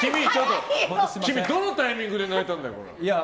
君、どのタイミングで泣いたんだよ？